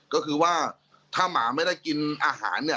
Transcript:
ก็คือว่าถ้าหมาไม่ได้กินอาหารเนี่ย